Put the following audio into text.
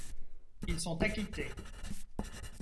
Ils sont acquittés.